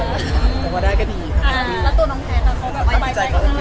แล้วตัวน้องแทนเขาก็ดีใจนะ